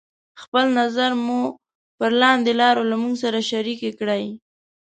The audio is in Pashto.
خپل نظر مو پر لاندې لارو له موږ سره شريکې کړئ: